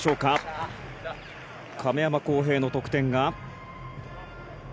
亀山耕平の得点が。